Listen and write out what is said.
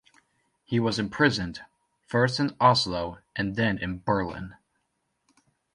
He was imprisoned, first in Oslo and then in Berlin.